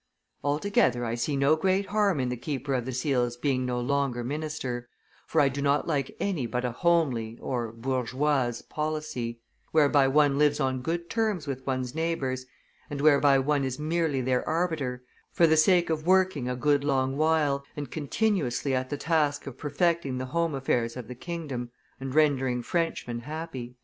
Altogether, I see no great harm in the keeper of the seals being no longer minister, for I do not like any but a homely (bourgeoise) policy, whereby one lives on good terms with one's neighbors, and whereby one is merely their arbiter, for the sake of working a good long while and continuously at the task of perfecting the home affairs of the kingdom, and rendering Frenchmen happy."